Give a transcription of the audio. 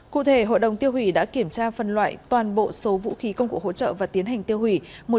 cụ thể hội đồng tiêu hủy đã kiểm tra phần loại toàn bộ số vũ khí công cụ hỗ trợ và tiến hành tiêu hủy